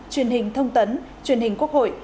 truyền hình thông tấn truyền hình quốc hội